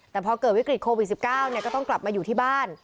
แต่พอเกิดวิกฤตโควิด๑๙ก็ต้องกลับมาอยู่ที่บ้าน